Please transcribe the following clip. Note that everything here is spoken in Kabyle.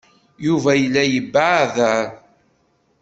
Yuba yella yebbeɛder.